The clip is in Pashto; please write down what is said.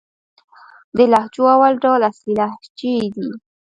د لهجو اول ډول اصلي لهجې دئ.